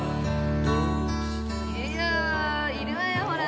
いやいるわよほら。